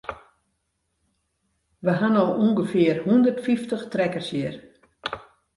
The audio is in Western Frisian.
We ha no ûngefear hondert fyftich trekkers hjir.